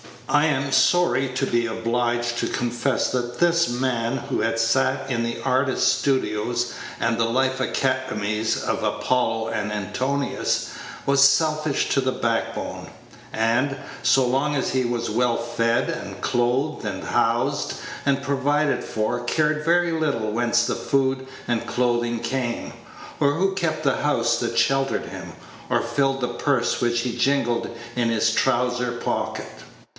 I am sorry to be obliged to confess that this man, who had sat in the artists' studios and the life academies for Apollo and Antinous, was selfish to the backbone; and, so long as he was well fed, and clothed, and housed, and provided for, cared very little whence the food and clothing came, or who kept the house that sheltered him, or filled the purse which he jingled in his trowsers pocket.